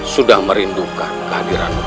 sudah merindukan kehadiranmu